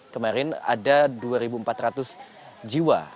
kemarin ada dua empat ratus jiwa